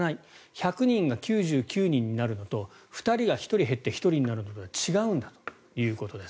１００人が９９人になるのと２人が１人減って１人になるのは違うんだということです。